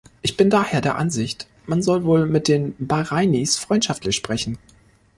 Ich bin daher der Ansicht, man soll wohl mit den Bahrainis freundschaftlich sprechen.